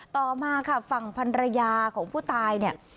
ต่อมาค่ะฝั่งพันรยาของผู้ตายเนี่ย